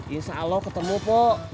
insya allah ketemu pok